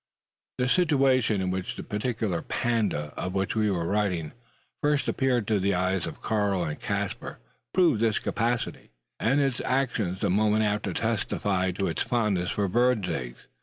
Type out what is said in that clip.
The situation in which the particular panda, of which we are writing, first appeared to the eyes of Karl and Caspar, proved this capacity, and its actions the moment after testified to its fondness for birds' eggs.